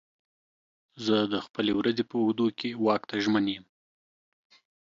زه د خپلې ورځې په اوږدو کې واک ته ژمن یم.